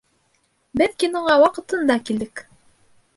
Беҙ киноға ваҡытында килдек.